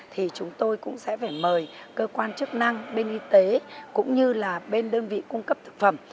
thì chúng tôi cũng sẽ phải mời cơ quan chức năng bên y tế cũng như là bên đơn vị cung cấp thực phẩm